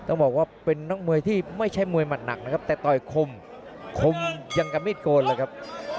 นักมวยที่ไม่ใช่มวยมัดหนักนะครับแต่ต่อคมคมอย่างกับมิดโกนเลยครับ